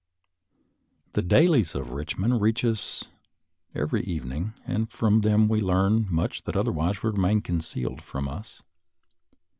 The dailies of Eichmond reach us every even ing, and from them we learn much that otherwise would remain concealed from us.